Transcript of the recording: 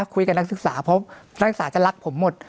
คุยกับนักศึกษาเพราะนักศึกษาจะรักผมหมด